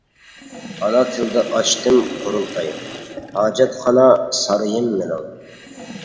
ئانا تىلدا ئاچتىم قۇرۇلتاي، ھاجەتخانا سارىيىم مېنىڭ.